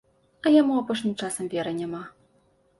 А яму апошнім часам веры няма.